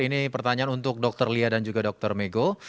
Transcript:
ini pertanyaan untuk dokter lia dan juga dr megho